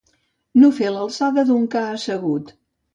No fer l'alçada d'un ca assegut.